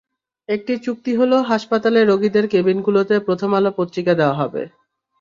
একটি চুক্তি হলো হাসপাতালে রোগীদের কেবিনগুলোতে প্রথম আলো পত্রিকা দেওয়া হবে।